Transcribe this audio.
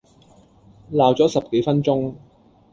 鬧左十幾分鐘